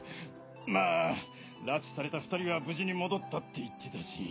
まぁ拉致された２人は無事に戻ったって言ってたし。